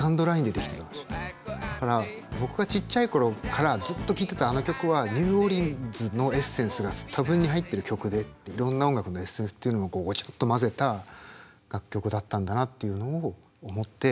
だから僕がちっちゃい頃からずっと聴いてたあの曲はニューオリンズのエッセンスが多分に入ってる曲でいろんな音楽のエッセンスっていうのもごちゃっと混ぜた楽曲だったんだなっていうのを思って。